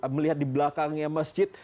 melihat di belakangnya masjid